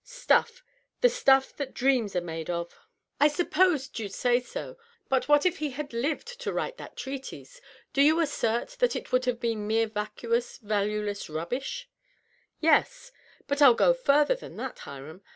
" Stuff— tne stuff that dreams are made of." " I supposed you'd say so. .. But what if he had lived to write that treatise? Do you assert that it would have been mere vacuous, valueless rubbish ?" DOUGLAS DUANE. 629 "Yes. But Fll go further than that, Hiram.